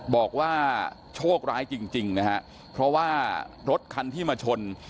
บอกว่าโชคร้ายจริงนะฮะเพราะว่ารถคันที่มาชน